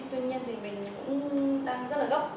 thì mình cũng đang rất là gấp